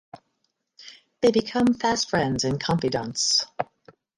They become fast friends and confidantes.